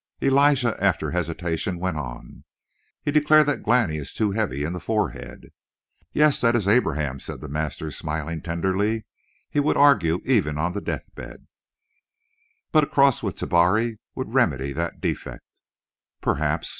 Elijah, after hesitation, went on: "He declared that Glani is too heavy in the forehead." "Yes, that is Abraham," said the master, smiling tenderly. "He would argue even on the death bed." "But a cross with Tabari would remedy that defect." "Perhaps.